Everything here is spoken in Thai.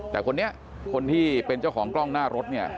แต่คนนี้คนที่เป็นเจ้าของกล้องหน้ารถเนี่ย